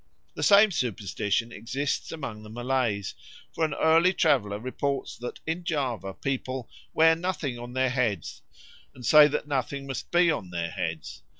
The same superstition exists amongst the Malays; for an early traveller reports that in Java people "wear nothing on their heads, and say that nothing must be on their heads